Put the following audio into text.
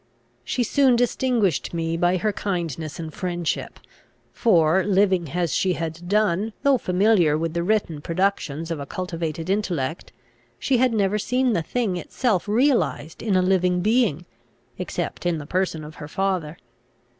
She soon distinguished me by her kindness and friendship; for, living as she had done, though familiar with the written productions of a cultivated intellect, she had never seen the thing itself realised in a living being, except in the person of her father.